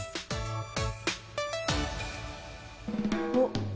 おっ。